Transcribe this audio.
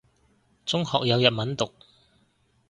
中學有日文讀